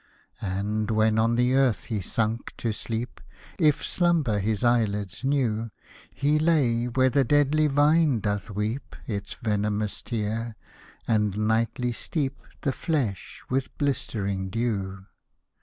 And, when on the earth he sunk to sleep, If slumber his eyelids knew. He lay, where the deadly vine doth weep Its venomous tear, and nightly steep The flesh with blistering dew